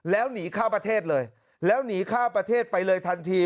แล้วหนีข้ามประเทศเลยแล้วหนีข้ามประเทศไปเลยทันที